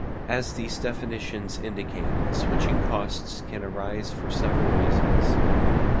As these definitions indicate, switching costs can arise for several reasons.